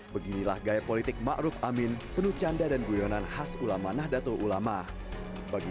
bagi calon wakil presiden ma'ruf amin mencari kemampuan untuk mencari kemampuan untuk mencari kemampuan untuk mencari kemampuan